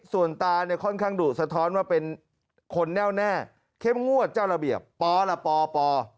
ส่วนตาเนี่ยค่อนข้างดุสะท้อนว่าเป็นคนแน่วแน่เข้มงวดเจ้าระเบียบปละปป